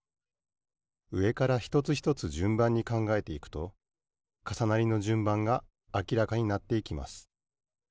うえからひとつひとつじゅんばんにかんがえていくとかさなりのじゅんばんがあきらかになっていきます